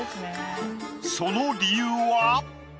その理由は？